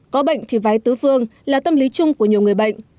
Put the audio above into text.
có bệnh thì vái tứ phương là tâm lý chung của nhiều người bệnh